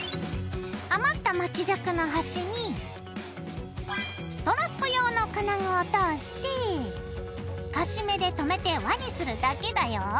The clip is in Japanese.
余った巻き尺の端にストラップ用の金具を通してカシメでとめて輪にするだけだよ。